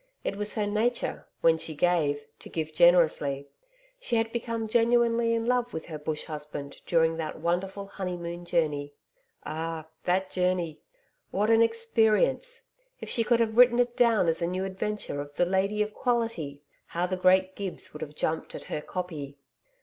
It was her nature, when she gave, to give generously. She had become genuinely in love with her bush husband during that wonderful honeymoon journey. Ah, that journey! What an experience! If she could have written it down as a new adventure of 'The Lady of Quality,' how the great Gibbs would have jumped at her 'copy!'